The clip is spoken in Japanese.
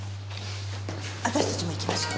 私たちも行きましょう。